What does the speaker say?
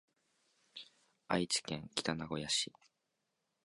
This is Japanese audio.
愛知県北名古屋市